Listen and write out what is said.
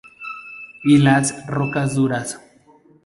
Y las rocas duras.